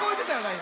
今。